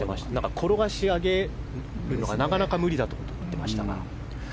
転がし上げというのがなかなか無理だと言ってました。